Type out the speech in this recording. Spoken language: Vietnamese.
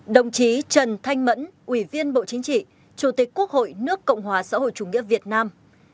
đồng chí trần thanh mẫn ủy viên bộ chính trị chủ tịch quốc hội nước cộng hòa xã hội chủ nghĩa việt nam